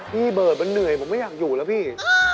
พี่เบิร์ดมันเหนื่อยผมไม่อยากอยู่แล้วพี่